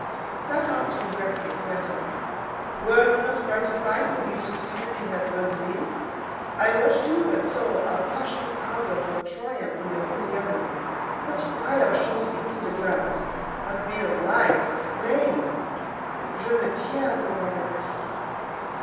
Without answering directly, he went on, "Were you not gratified when you succeeded in that vaudeville? I watched you and saw a passionate ardour for triumph in your physiognomy. What fire shot into the glance! Not mere light, but flame: je me tiens pour averti."